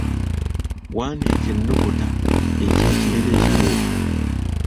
Wandiika ennukuta ekiikirira ekituufu.